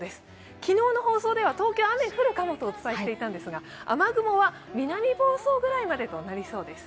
昨日の放送では東京雨、降るかもとお伝えしていたんですが雨雲は南房総ぐらいまでとなりそうです。